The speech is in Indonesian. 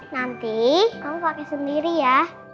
nanti kamu pakai sendiri ya